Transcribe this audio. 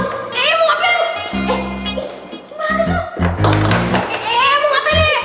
eh eh mau ngapain lo